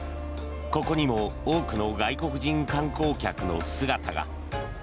ここにも多くの外国人観光客の姿が。